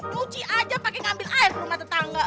cuci aja pake ngambil air ke rumah tetangga